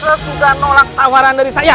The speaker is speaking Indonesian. jangan nyesel sudah nolak tawaran dari saya